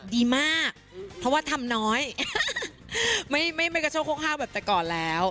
ดีมากเพราะว่าทำน้อยไม่กระโชคโคกห้าวแบบแต่ก่อนแล้ว